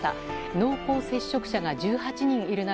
濃厚接触者が１８人いる中